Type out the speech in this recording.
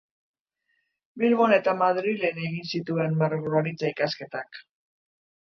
Bilbon eta Madrilen egin zituen margolaritza ikasketak.